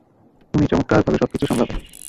তুমি চমৎকার ভাবে সবকিছু সামলাবে।